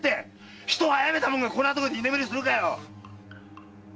〔人を殺めた者がこんなとこで居眠りするかよ⁉〕